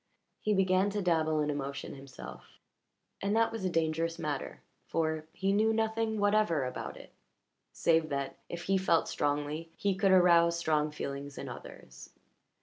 He began to dabble in emotion himself, and that was a dangerous matter, for he knew nothing whatever about it save that, if he felt strongly, he could arouse strong feeling in others.